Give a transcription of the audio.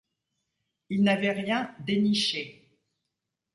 Il n’avait rien « déniché ».